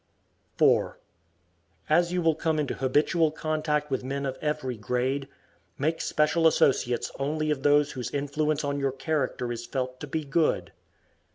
4. As you will come into habitual contact with men of every grade, make special associates only of those whose influence on your character is felt to be good.